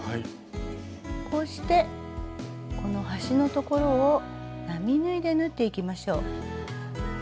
こうしてこの端の所を並縫いで縫っていきましょう。